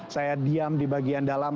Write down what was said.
saya diam di bagian dalam